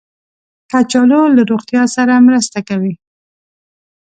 کچالو له روغتیا سره مرسته کوي